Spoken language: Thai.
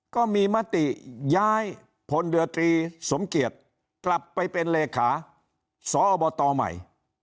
ก็มีมติย้ายพลเรือตรีสมเกียจกลับไปเป็นเลขาสอบตใหม่